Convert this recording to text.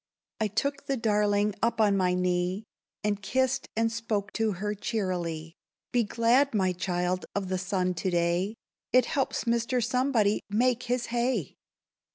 I took the darling up on my knee, And kissed, and spoke to her cheerily. "Be glad, my child, of the sun to day! It helps Mr. Somebody make his hay."